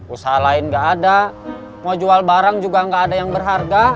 usaha lain nggak ada mau jual barang juga nggak ada yang berharga